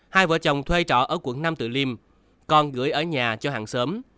hai vợ chồng thuê trọ ở quận năm tự liêm con gửi ở nhà cho hàng sớm